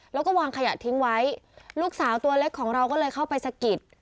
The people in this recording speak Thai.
แล้วก็วางขยะทิ้งไว้ลูกสาวตัวเล็กของเราก็เลยเข้าไปสะกิด